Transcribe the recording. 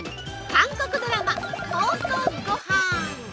韓国ドラマ妄想ごはん。